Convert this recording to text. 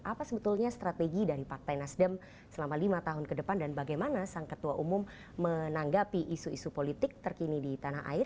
apa sebetulnya strategi dari partai nasdem selama lima tahun ke depan dan bagaimana sang ketua umum menanggapi isu isu politik terkini di tanah air